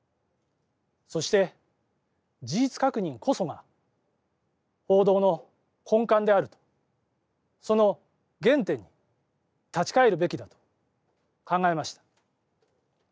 そして、事実確認こそが報道の根幹であるとその原点に立ち返るべきだと考えました。